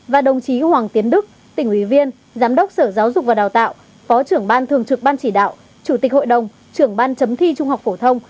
và đồng chí hoàng tiến đức tỉnh ủy viên giám đốc sở giáo dục và đào tạo phó trưởng ban thường trực ban chỉ đạo chủ tịch hội đồng trưởng ban chấm thi trung học phổ thông